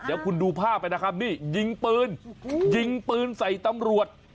เดี๋ยวคุณดูภาพไปนะครับนี่ยิงปืนยิงปืนใส่ตำรวจ